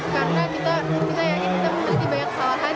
karena kita yakin kita memiliki banyak kesalahan